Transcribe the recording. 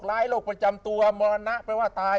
โรคประจำตัวมรณะแปลว่าตาย